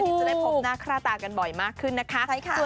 จะได้พบหน้าค่าตากันบ่อยมากขึ้นนะคะ